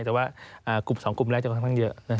แต่ว่ากลุ่ม๒กลุ่มแรกจะค่อนข้างเยอะ